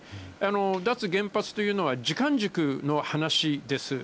脱原発というのは、時間軸の話です。